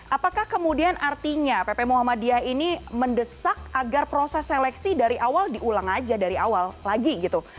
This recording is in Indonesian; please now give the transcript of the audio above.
apakah kemudian artinya pp muhammadiyah ini mendesak agar proses seleksi dari awal diulang aja dari awal lagi gitu